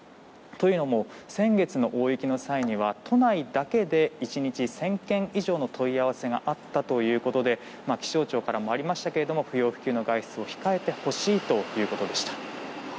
というのも、先月の大雪の際には都内だけで１日１０００件以上の問い合わせがあったということで気象庁からもありましたが不要不急の外出を控えてほしいということでした。